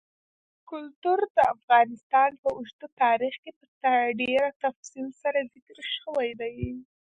کلتور د افغانستان په اوږده تاریخ کې په ډېر تفصیل سره ذکر شوی دی.